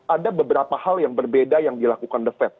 ada beberapa hal yang berbeda yang dilakukan the fed